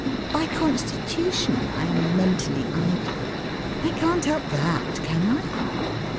By constitution I am mentally idle. I can't help that, can I?'